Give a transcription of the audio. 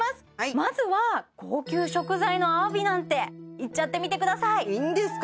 まずは高級食材のアワビなんていっちゃってみてくださいいいんですか？